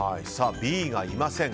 Ｂがいません。